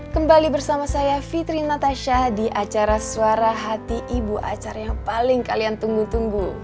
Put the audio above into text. kembali bersama saya fitri natasha di acara suara hati ibu acara yang paling kalian tunggu tunggu